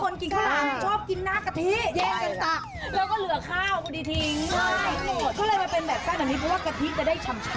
ข้อส่องคืออะไรคะ